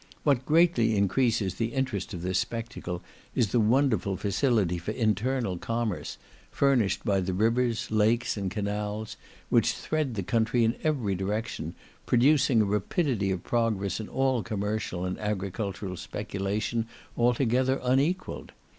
What greatly increases the interest of this spectacle, is the wonderful facility for internal commerce, furnished by the rivers, lakes, and canals, which thread the country in every direction, producing a rapidity of progress in all commercial and agricultural speculation altogether unequalled.